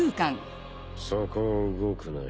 そこを動くなよ